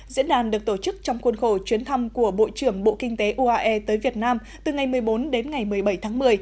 diễn đàn được tổ chức trong khuôn khổ chuyến thăm của bộ trưởng bộ kinh tế uae tới việt nam từ ngày một mươi bốn đến ngày một mươi bảy tháng một mươi